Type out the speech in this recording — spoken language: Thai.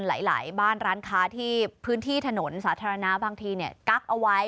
หลายบ้านร้านค้าที่พื้นที่ถนนสาธารณะบางทีเนี่ยกั๊กเอาไว้